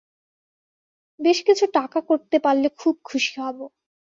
বেশ কিছু টাকা করতে পারলে খুব খুশী হব।